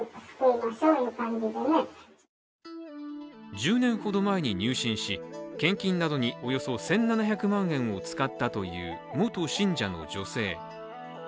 １０年ほど前に入信し、献金などにおよそ１７００万円を使ったという元信者の女性。